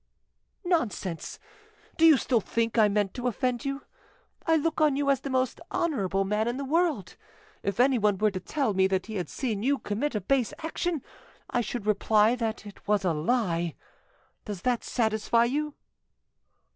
"Nonsense! Do you still think I meant to offend you? I look on you as the most honourable man in the world. If anyone were to tell me that he had seen you commit a base action, I should reply that it was a lie. Does that satisfy you?"